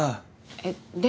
えっでも。